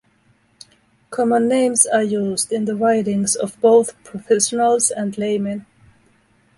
Common names are used in the writings of both professionals and laymen.